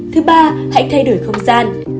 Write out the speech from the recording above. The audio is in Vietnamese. thứ ba hãy thay đổi không gian